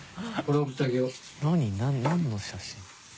何の写真？